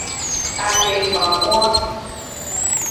Amegbagoa.